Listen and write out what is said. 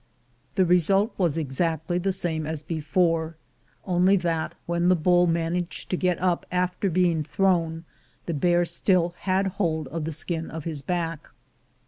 The result was 282 THE GOLD HUNTERS exactly the same as before, only that when the bull managed to get up after being thrown, the bear still had hold of the skin of his back.